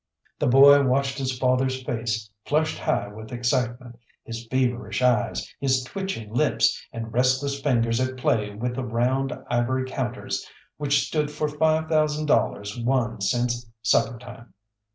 The boy watched his father's face flushed high with excitement, his feverish eyes, his twitching lips, and restless fingers at play with the round ivory counters which stood for five thousand dollars won since supper time.